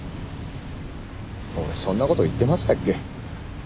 俺そんなこと言ってましたっけ？